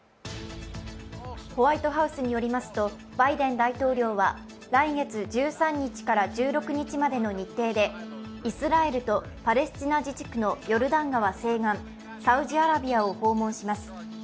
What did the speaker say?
ホワイトハウスによりますとバイデン大統領は来月１３日から１６日までの日程でイスラエルとパレスチナ自治区のヨルダン川西岸、サウジアラビアを訪問します。